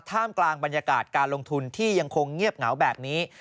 ท่ามกลางบรรยากาศการลงทุนที่ยังคงเงียบเหงาแบบนี้